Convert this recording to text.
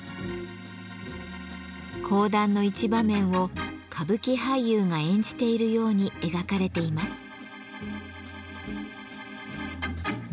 講談の一場面を歌舞伎俳優が演じているように描かれています。